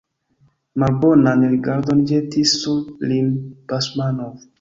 Malbonan rigardon ĵetis sur lin Basmanov.